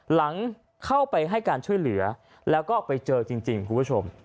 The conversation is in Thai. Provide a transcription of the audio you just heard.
หลังเข้าไปให้การช่วยเหลือแล้วก็ไปเจอจริงคุณผู้ชม